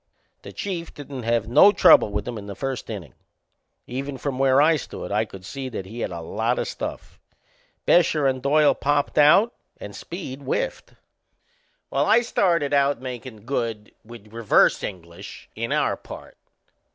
The Chief didn't have no trouble with 'em in the first innin'. Even from where I stood I could see that he had a lot o' stuff. Bescher and Doyle popped out and Speed whiffed. Well, I started out makin' good, with reverse English, in our part.